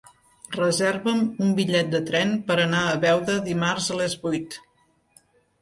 Reserva'm un bitllet de tren per anar a Beuda dimarts a les vuit.